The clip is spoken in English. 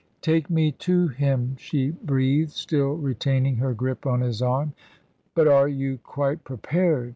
"Take me to him," she breathed, still retaining her grip on his arm. "But are you quite prepared?